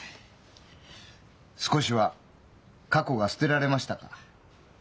少しは過去が捨てられましたか？